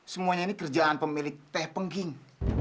semuanya ini kerjaan pemilik teh pengging